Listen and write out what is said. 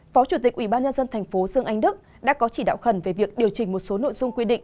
phó chủ tịch ubnd tp dương anh đức đã có chỉ đạo khẩn về việc điều chỉnh một số nội dung quy định